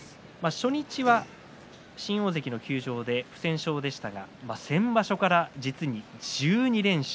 初日は新大関の休場で不戦勝でしたが先場所から実に１２連勝。